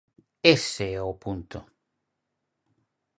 Ese é o punto.